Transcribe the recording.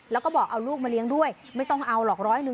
แล้วก็บอกเอาลูกมาเลี้ยงด้วยไม่ต้องเอาหรอกร้อยหนึ่ง